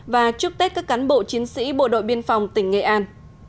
và chúc tết các cán bộ chiến sĩ bộ đội biên phòng tỉnh nghệ an